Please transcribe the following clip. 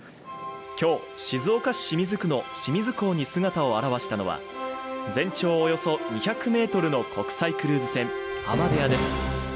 今日、静岡市清水区の清水港に姿を現したのは全長およそ２００ｍの国際クルーズ船「アマデア」です。